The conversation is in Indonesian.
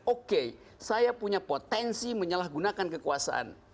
oke saya punya potensi menyalahgunakan kekuasaan